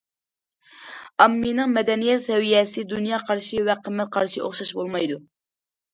ئاممىنىڭ مەدەنىيەت سەۋىيەسى، دۇنيا قارىشى ۋە قىممەت قارىشى ئوخشاش بولمايدۇ.